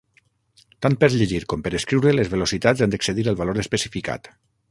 Tant per llegir com per escriure les velocitats han d'excedir el valor especificat.